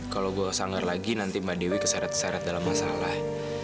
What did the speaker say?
kalau gue sanggar lagi nanti mbak dewi keseret seret dalam masalah